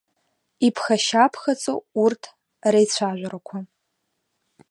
Иԥхашьа-ԥхаҵо урҭ реицәажәарақәа…